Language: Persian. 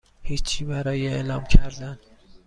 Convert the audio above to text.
هیچی برای اعلام کردن